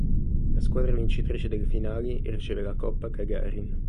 La squadra vincitrice delle finali riceve la Coppa Gagarin.